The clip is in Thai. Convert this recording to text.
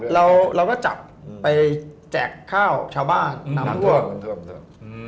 เราก็จับไปแจกข้าวชาวบ้านน้ำถ้วง